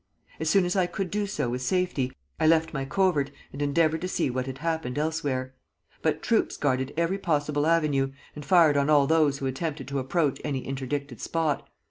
As soon as I could do so with safety, I left my covert, and endeavored to see what had happened elsewhere. But troops guarded every possible avenue, and fired on all those who attempted to approach any interdicted spot.